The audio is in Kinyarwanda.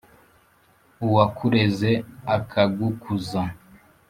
Uwakureze akagukuza,